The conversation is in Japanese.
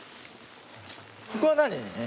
ここは何？